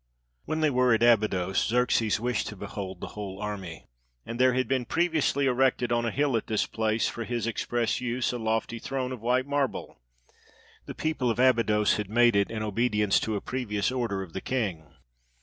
When they were at Abydos, Xerxes wished to behold the whole army; and there had been previously erected on a hill at this place, for his express use, a lofty throne of white marble; the people of Abydos had made it, in obedience to a previous order of the king.